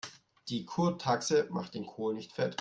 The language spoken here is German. Die Kurtaxe macht den Kohl nicht fett.